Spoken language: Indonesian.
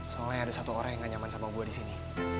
soalnya ada satu orang yang gak nyaman sama gue di sini